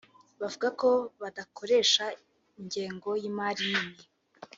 bivuga ko badakoresha ingengo y’imari nini